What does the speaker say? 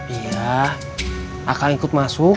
iya akang ikut masuk